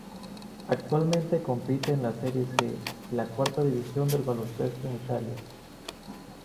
Actualmente compite en la Serie C, la cuarta división del baloncesto en Italia.